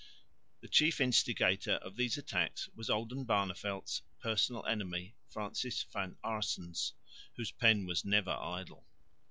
The chief instigator of these attacks was Oldenbarneveldt's personal enemy, Francis van Aerssens, whose pen was never idle.